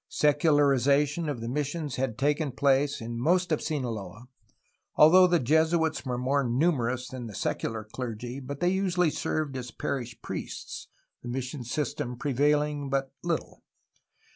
Secularization of mis sions had taken place in most of Sina loa, although the Jesuits were more numerous than the secular clergy, but they usually served as parish priests, the mission system prevaiUng but little.